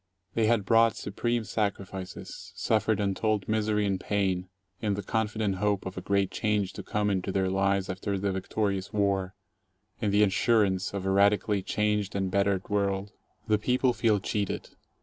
They had brought supreme sacrifices, suffered untold misery and pain, in the confident hope of a great change to come into their lives after the victorious war, in the assurance of a radically changed and bettered world. The people feel cheated.